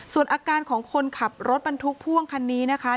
ส่วนอาการของคนขับรถบรรทุกพ่วงคันนี้นะคะ